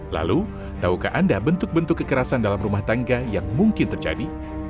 lalu tahukah anda bentuk bentuk kekerasan dalam rumah tangga yang mungkin terjadi